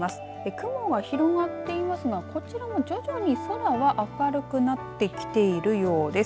雲は広がっていますがこちらも徐々に空は明るくなってきているようです。